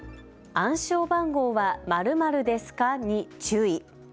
暗証番号は○○ですかに注意。